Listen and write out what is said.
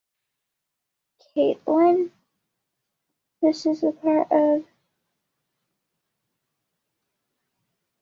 It is part of the (road of garden art between Rhein and Maas).